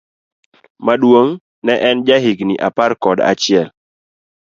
Maduong' ne en ja higni apar kod achiel.